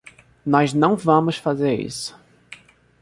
Nós não vamos fazer isso.